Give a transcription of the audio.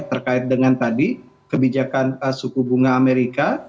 terkait dengan tadi kebijakan suku bunga amerika